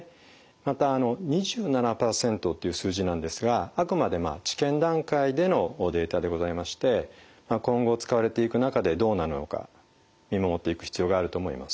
また２７％という数字なんですがあくまで治験段階でのデータでございまして今後使われていく中でどうなるのか見守っていく必要があると思います。